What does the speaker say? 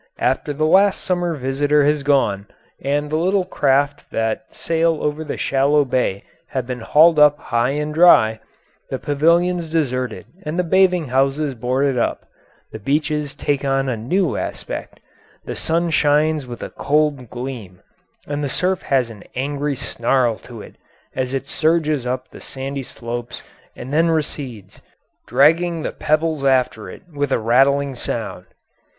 After the last summer visitor has gone, and the little craft that sail over the shallow bay have been hauled up high and dry, the pavilions deserted and the bathing houses boarded up, the beaches take on a new aspect. The sun shines with a cold gleam, and the surf has an angry snarl to it as it surges up the sandy slopes and then recedes, dragging the pebbles after it with a rattling sound.